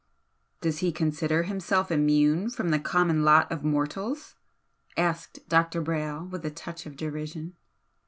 "Does he consider himself immune from the common lot of mortals?" asked Dr. Brayle, with a touch of derision.